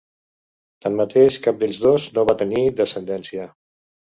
Tanmateix, cap dels dos no va tenir descendència.